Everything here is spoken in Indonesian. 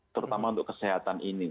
terutama untuk kesehatan ini